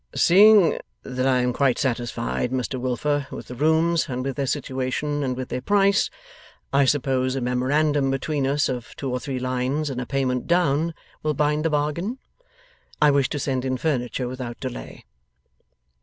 'Seeing that I am quite satisfied, Mr Wilfer, with the rooms, and with their situation, and with their price, I suppose a memorandum between us of two or three lines, and a payment down, will bind the bargain? I wish to send in furniture without delay.